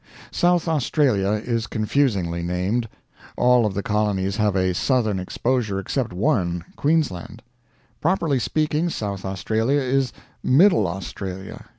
South Australia is confusingly named. All of the colonies have a southern exposure except one Queensland. Properly speaking, South Australia is middle Australia.